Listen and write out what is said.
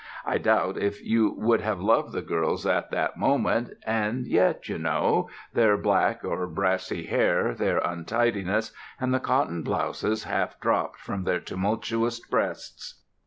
I doubt if you would have loved the girls at that moment; and yet ... you know ... their black or brassy hair, their untidiness, and the cotton blouses half dropped from their tumultuous breasts....